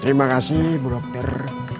terima kasih bu dokter